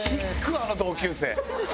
あの同級生。